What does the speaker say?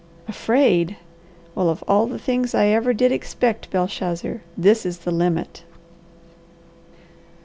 Afraid! Well of all things I ever did expect, Belshazzar, that is the limit."